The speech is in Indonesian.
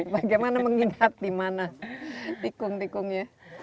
bagaimana mengingat di mana tikung tikungnya